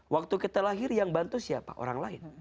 waktu kita lahir yang bantu siapa orang lain